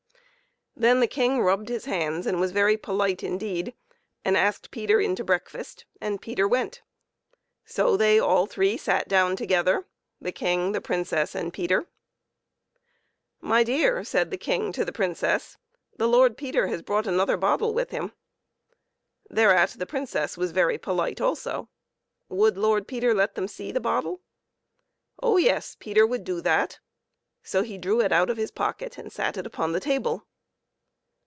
Then the King rubbed his hands and was very polite indeed, and asked Peter in to breakfast, and Peter went. So they all three sat down together, the King, the Princess, and Peter. " My dear," said the King, to the Princess, " the Lord Peter has brought another bottle with him." Thereat the Princess was very polite also. Would Lord Peter let them see the bottle? Oh yes! Peter would do that; so he drew it out of his pocket and sat it upon the table.